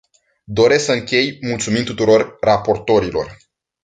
Doresc să închei mulțumind tuturor raportorilor.